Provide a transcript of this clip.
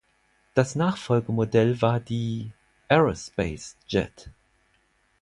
Das Nachfolgemodell war die „Aerospace Jet“.